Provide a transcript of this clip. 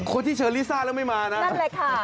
คนที่เชิญลิซ่าแล้วไม่มานะนั่นเลยค่ะ